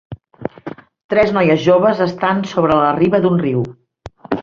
Tres noies joves estan sobre la riba d'un riu.